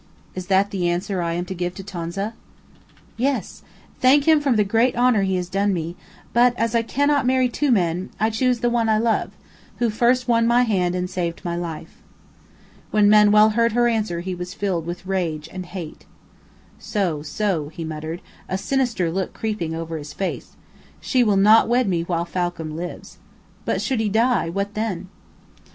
"Is that the answer I am to give Tonza?" "Yes. Thank him for the great honor he has done me; but, as I cannot marry two men, I choose the one I love who first won my hand and saved my life." When Manuel heard her answer he was filled with rage and hate. "So so," he muttered, a sinister look creeping over his face, "she will not wed me while Falcam lives. But should he die what then?"